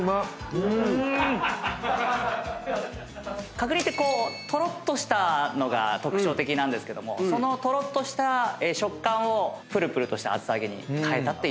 角煮ってトロッとしたのが特徴的なんですけどもそのトロッとした食感をぷるぷるとした厚揚げに変えたっていうレシピ。